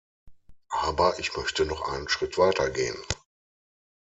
Aber ich möchte noch einen Schritt weiter gehen.